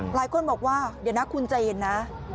หลายคนบอกว่าเดี๋ยวนะคุณใจเย็นนะ